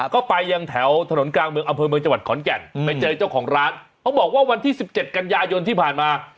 ก็ไปยังแถวถนนกลางเมืองอำเภอเมืองจังหวัดขอนแก่นไปเจอเจ้าของร้านเขาบอกว่าวันที่๑๗กันยายนที่ผ่านมา